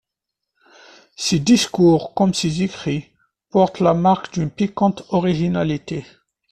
Ses discours, comme ses écrits, portent la marque d'une piquante originalité.